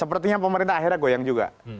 sepertinya pemerintah akhirnya goyang juga